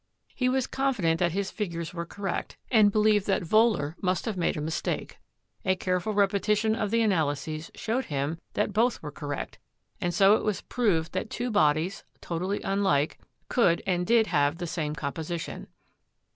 He was confident that his figures were correct, and believed that Wohler must have made a mis take. A careful repetition of the analyses showed him that both were correct, and so it was proved that two bodies, totally unlike, could and did have the same com position.